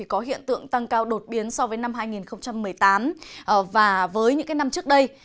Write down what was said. có hiện tượng tăng cao đột biến so với năm hai nghìn một mươi tám và với những năm trước đây